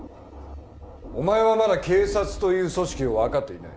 お前はまだ警察という組織をわかっていない。